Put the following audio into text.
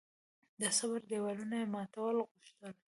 د صبر دېوالونه یې ماتول غوښتل.